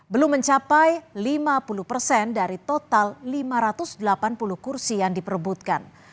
belum mencapai lima puluh persen dari total lima ratus delapan puluh kursi yang diperebutkan